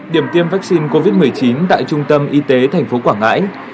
điểm tiêm vaccine covid một mươi chín tại trung tâm y tế tp quảng ngãi